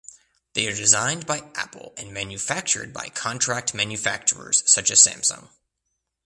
They are designed by Apple and manufactured by contract manufacturers such as Samsung.